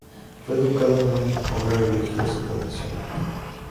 Fue educado en un hogar religioso tradicional.